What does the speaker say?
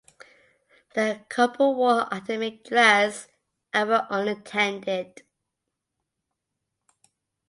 The couple wore academic dress and were unattended.